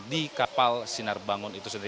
di kapal sinar bangun itu sendiri